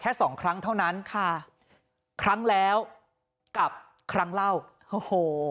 สองครั้งเท่านั้นค่ะครั้งแล้วกับครั้งเล่าโอ้โห